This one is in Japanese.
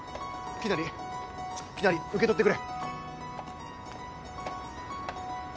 きなり受け取ってくれ。